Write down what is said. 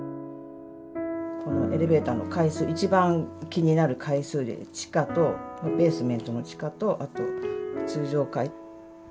エレベーターの階数一番気になる階数で地下とベースメントの地下とあと通常階。